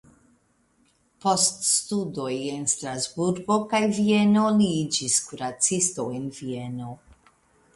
Post studoj en Strasburgo kaj Vieno li iĝis kuracisto en Vieno.